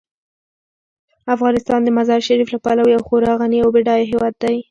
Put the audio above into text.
افغانستان د مزارشریف له پلوه یو خورا غني او بډایه هیواد دی.